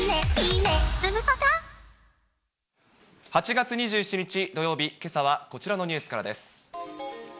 ８月２７日土曜日、けさはこちらのニュースからです。